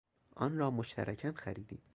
آن را مشترکا خریدیم.